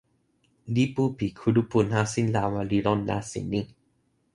lipu pi kulupu nasin lawa li lon nasin ni.